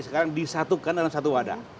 sekarang disatukan dalam satu wadah